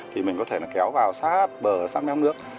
thì mình có thể là kéo vào sát bờ sát méo nước